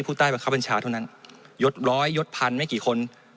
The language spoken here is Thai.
ผู้ใต้บังคับบัญชาเท่านั้นยดร้อยยดพันไม่กี่คน